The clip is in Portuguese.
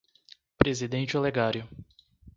Presidente Olegário